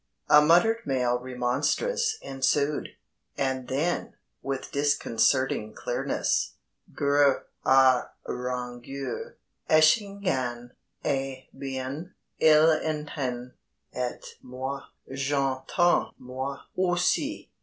A muttered male remonstrance ensued, and then, with disconcerting clearness: "_Gr r rangeur Eschingan eh bien il entend. Et moi, j'entends, moi aussi.